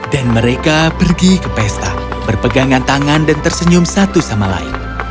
dan mereka pergi ke pesta berpegangan tangan dan tersenyum satu sama lain